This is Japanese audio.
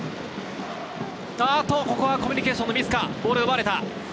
ここはコミュニケーションのミスか、ボールを奪われた！